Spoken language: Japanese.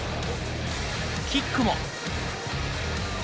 キックも。